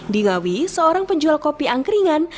di ngawi seorang penjual kopi angkringan